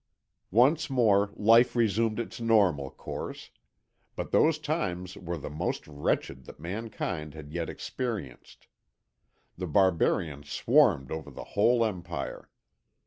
"Once more life resumed its normal course; but those times were the most wretched that mankind had yet experienced. The barbarians swarmed over the whole Empire.